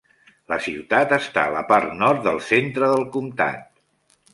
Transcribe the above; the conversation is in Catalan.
La ciutat està a la part nord del centre del comtat.